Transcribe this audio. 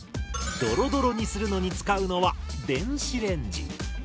ドロドロにするのに使うのは電子レンジ。